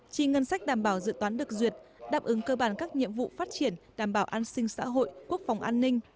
chi ngân sách đảm bảo dự toán được duyệt đáp ứng cơ bản các nhiệm vụ phát triển đảm bảo an sinh xã hội quốc phòng an ninh